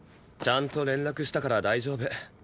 ちゃんと連絡したから大丈夫。